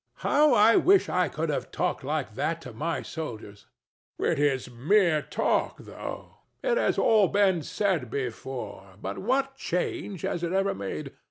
How I wish I could have talked like that to my soldiers. THE DEVIL. It is mere talk, though. It has all been said before; but what change has it ever made?